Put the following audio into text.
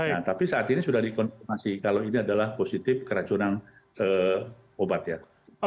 nah tapi saat ini sudah dikonfirmasi kalau ini adalah positif keracunan obat ya